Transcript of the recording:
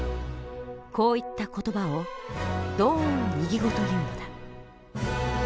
こういった言葉を同音異義語というのだ。